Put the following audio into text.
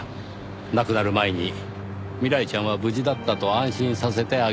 亡くなる前に未来ちゃんは無事だったと安心させてあげたい。